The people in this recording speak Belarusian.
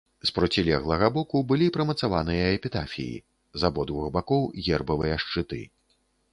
З процілеглага боку былі прымацаваныя эпітафіі, з абодвух бакоў гербавыя шчыты.